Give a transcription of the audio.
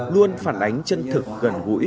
luôn phản ánh chân thực gần gũi